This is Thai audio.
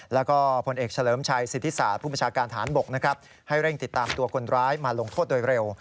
และของพลเอกก็เชลิมชัยซิทธิษศาสตร์ผู้ประชาการฐานบกให้เร่งติดตามตัวคนร้ายมาลงโทษโดยเร็ว